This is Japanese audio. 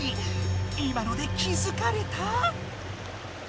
今ので気づかれた？